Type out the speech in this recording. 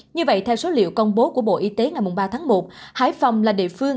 như vậy theo số liệu công bố của bộ y tế ngày ba tháng một hải phòng là địa phương